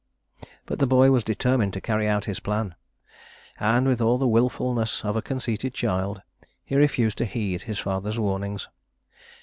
But the boy was determined to carry out his plan; and with all the willfulness of a conceited child, he refused to heed his father's warnings.